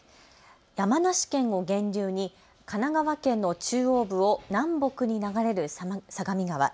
山梨県を源流に神奈川県の中央部を南北に流れる相模川。